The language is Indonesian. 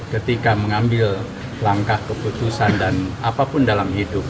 ketika mengambil langkah keputusan dan apapun dalam hidup